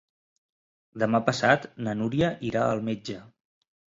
Demà passat na Núria irà al metge.